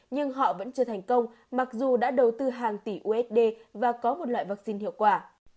nhưng họ vẫn chưa thành công mặc dù đã đầu tư hàng tỷ usd và có một loại vaccine hiệu quả